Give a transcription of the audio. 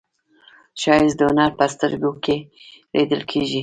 ښایست د هنر په سترګو کې لیدل کېږي